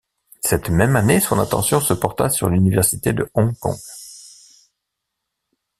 Cette même année, son attention se porta sur l'université de Hong Kong.